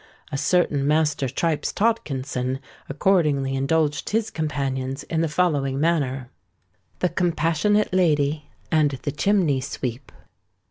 A certain Master Tripes Todkinson accordingly indulged his companions in the following manner:— THE COMPASSIONATE LADY AND THE CHIMNEY SWEEP.